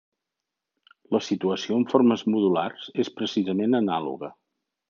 La situació amb formes modulars és precisament anàloga.